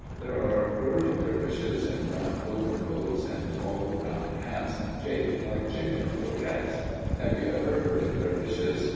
There are whirling dervishes in brown overcoats, and tall brown hats shaped like chicken croquettes. Have you ever heard of dervishes?